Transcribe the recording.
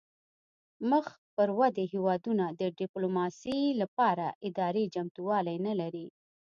مخ پر ودې هیوادونه د ډیپلوماسي لپاره اداري چمتووالی نلري